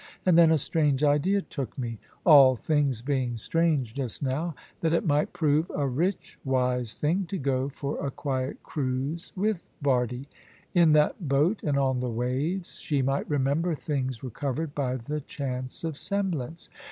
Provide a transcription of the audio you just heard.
And then a strange idea took me, all things being strange just now, that it might prove a rich wise thing to go for a quiet cruise with Bardie. In that boat, and on the waves, she might remember things recovered by the chance of semblance.